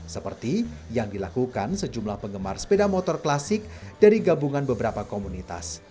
seperti yang dilakukan sejumlah penggemar sepeda motor klasik dari gabungan beberapa komunitas